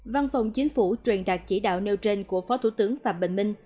văn phòng chính phủ truyền đạt chỉ đạo nêu trên của phó thủ tướng phạm bình minh